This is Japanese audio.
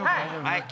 はい。